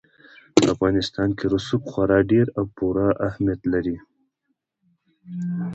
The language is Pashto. په افغانستان کې رسوب خورا ډېر او پوره اهمیت لري.